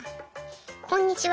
「こんにちは！